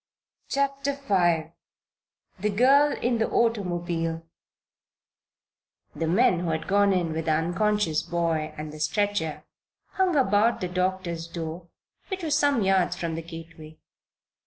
CHAPTER V THE GIRL IN THE AUTOMOBILE The men who had gone in with the unconscious boy and the stretcher hung about the doctor's door, which was some yards from the gateway.